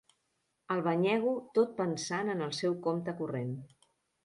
El banyego tot pensant en el seu compte corrent.